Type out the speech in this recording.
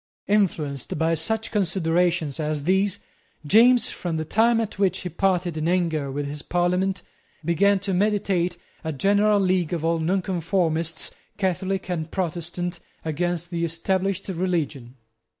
Influenced by such considerations as these, James, from the time at which he parted in anger with his Parliament, began to meditate a general league of all Nonconformists, Catholic and Protestant, against the established religion.